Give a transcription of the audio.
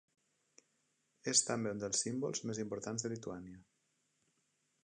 És també un dels símbols més importants de Lituània.